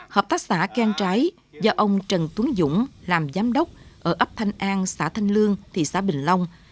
hợp tác xã gan trái do ông trần tuấn dũng làm giám đốc ở ấp thanh an xã thanh lương thị xã bình long